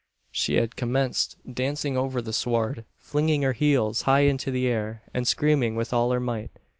She had commenced dancing over the sward, flinging her heels high into the air, and screaming with all her might.